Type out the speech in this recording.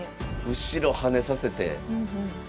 後ろ跳ねさせて。